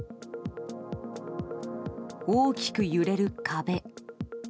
大きく揺れる壁。